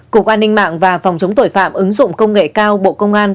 cục an ninh mạng và phòng chống tội phạm ứng dụng công nghệ cao bộ công an